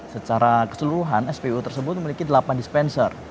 secara keseluruhan spo tersebut memiliki delapan dispenser